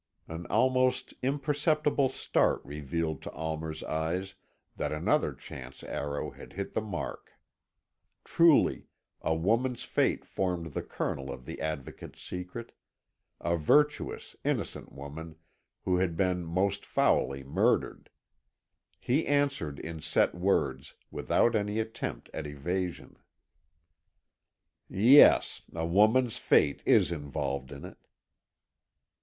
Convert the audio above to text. An almost imperceptible start revealed to Almer's eyes that another chance arrow had hit the mark. Truly, a woman's fate formed the kernel of the Advocate's secret a virtuous, innocent woman who had been most foully murdered. He answered in set words, without any attempt at evasion. "Yes, a woman's fate is involved in it."